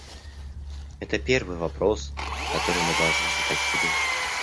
Это первый вопрос, который мы должны задать себе.